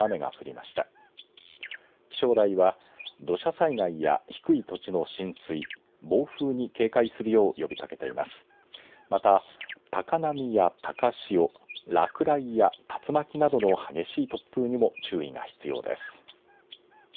また高波や高潮落雷や竜巻などの激しい突風にも注意が必要です。